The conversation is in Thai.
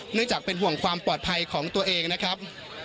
จากเป็นห่วงความปลอดภัยของตัวเองนะครับ